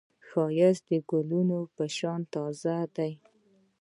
ښایست د ګلونو په شان تازه دی